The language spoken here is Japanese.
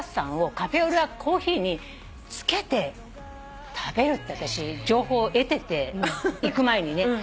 カフェオレやコーヒーにつけて食べるって私情報得てて行く前にね。